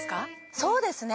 そうですね。ね？